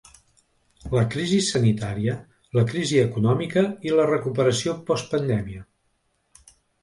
La crisi sanitària, la crisi econòmica i la recuperació post-pandèmia.